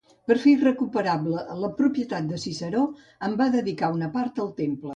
Per fer irrecuperable la propietat de Ciceró, en va dedicar una part al temple.